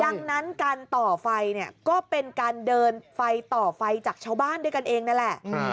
ดังนั้นการต่อไฟเนี่ยก็เป็นการเดินไฟต่อไฟจากชาวบ้านด้วยกันเองนั่นแหละ